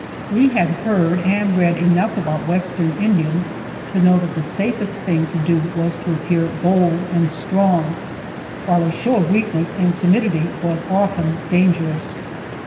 We had heard and read enough about Western Indians to know that the safest thing to do was to appear bold and strong, while a show of weakness and timidity was often dangerous.